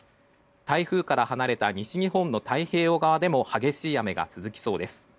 台風から離れた西日本の太平洋側でも激しい雨が続きそうです。